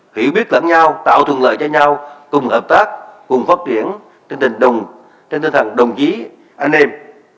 hữu biết lẫn nhau tạo thường lợi cho nhau cùng hợp tác cùng phát triển trên tinh thần đồng chí anh em